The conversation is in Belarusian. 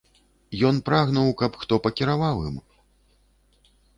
Ён прагнуў, каб хто пакіраваў ім.